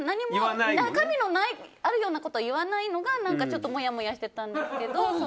中身のあるようなことを言わないのが何か、ちょっともやもやしていたんですけど。